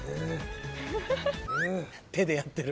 手でやってる。